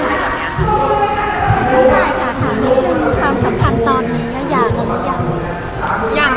นายค่ะถามไม่ลืมความสัมพันธ์ตอนนี้ยังอย่างหรือยัง